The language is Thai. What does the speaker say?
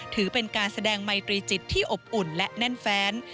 ถือเป็นการแสดงไมตรีจิตที่อบอุ่นและแน่นแฟน